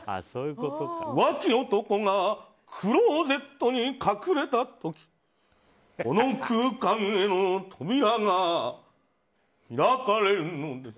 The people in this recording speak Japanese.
浮気男がクローゼットに隠れた時この空間への扉が開かれるのです。